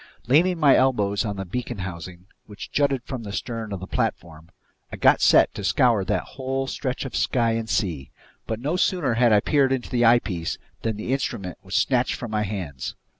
Leaning my elbows on the beacon housing, which jutted from the stern of the platform, I got set to scour that whole stretch of sky and sea. But no sooner had I peered into the eyepiece than the instrument was snatched from my hands.